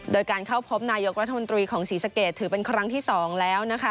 โดยการเข้าพบนายกรัฐมนตรีของศรีสะเกดถือเป็นครั้งที่๒แล้วนะคะ